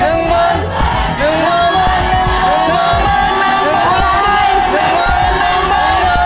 หนึ่งมันหนึ่งมันหนึ่งมันหนึ่งมัน